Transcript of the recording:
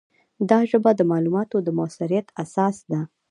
دا ژبه د معلوماتو د موثریت اساس ده.